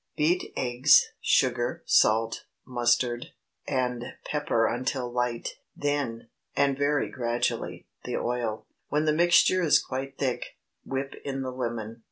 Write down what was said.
Beat eggs, sugar, salt, mustard, and pepper until light; then, and very gradually, the oil. When the mixture is quite thick, whip in the lemon.